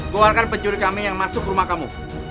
gua akan pencuri kami yang masuk rumah kamu